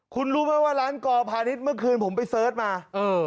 คุณรู้ไหมว่าร้านกอพาณิชย์เมื่อคืนผมไปเสิร์ชมา